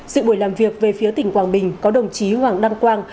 sự buổi làm việc về phía tỉnh quảng bình có đồng chí hoàng đăng quang